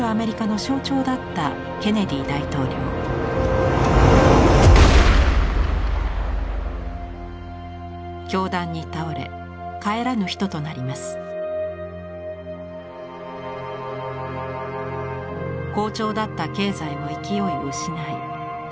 好調だった経済も勢いを失い失業率が上昇。